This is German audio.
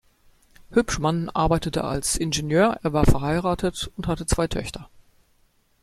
Hübschmann arbeitete als Ingenieur; er war verheiratet und hatte zwei Töchter.